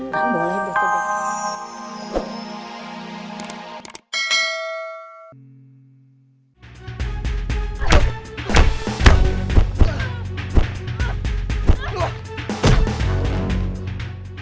ga boleh deh